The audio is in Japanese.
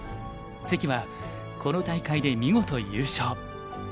関はこの大会で見事優勝！